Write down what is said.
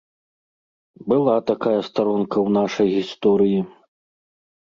Была такая старонка ў нашай гісторыі.